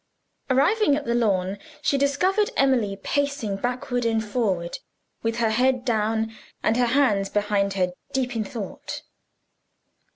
Arriving at the lawn, she discovered Emily pacing backward and forward, with her head down and her hands behind her, deep in thought.